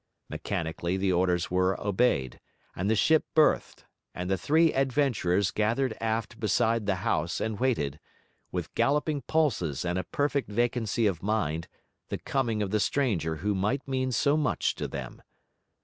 Mechanically the orders were obeyed, and the ship berthed; and the three adventurers gathered aft beside the house and waited, with galloping pulses and a perfect vacancy of mind, the coming of the stranger who might mean so much to them.